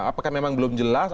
apakah memang belum jelas